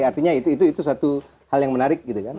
artinya itu satu hal yang menarik gitu kan